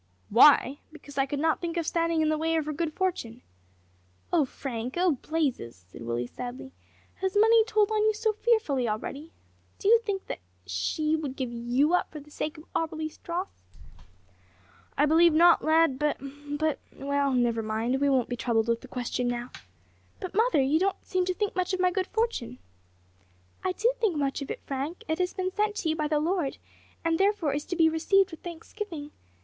"Why! because I could not think of standing in the way of her good fortune." "Oh, Frank! oh, Blazes," said Willie sadly, "has money told on you so fearfully already? Do you think that she would give you up for the sake of Auberly's dross?" "I believe not, lad; but but well never mind, we won't be troubled with the question now. But, mother, you don't seem to think much of my good fortune." "I do think much of it, Frank; it has been sent to you by the Lord, and therefore is to be received with thanksgiving.